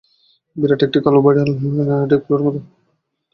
বিরাট একটি কালো বিড়াল, ঠিক প্লুটোর মতোই।